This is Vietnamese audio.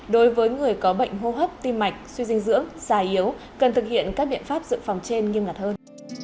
đối với người có bệnh hô hấp tim mạch suy dinh dưỡng già yếu cần thực hiện các biện pháp dự phòng trên nghiêm ngặt hơn